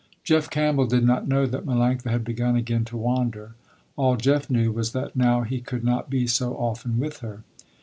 Jeff Campbell did not know that Melanctha had begun again to wander. All Jeff knew, was that now he could not be so often with her.